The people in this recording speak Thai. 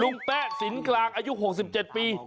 แป๊ะสินกลางอายุ๖๗ปี